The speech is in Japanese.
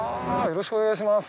よろしくお願いします。